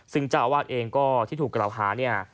ซึ่งเจ้าอาวาสเองก็ที่ถูกกระเหล่าหา